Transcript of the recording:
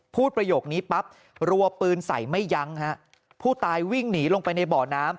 ประโยคนี้ปั๊บรัวปืนใส่ไม่ยั้งฮะผู้ตายวิ่งหนีลงไปในบ่อน้ำ